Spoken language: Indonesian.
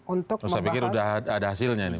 untuk membahas oh saya pikir sudah ada hasilnya ini